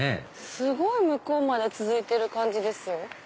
すごい向こうまで続いてる感じですよ。